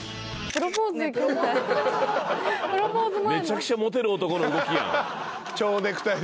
めちゃくちゃモテる男の動きやん。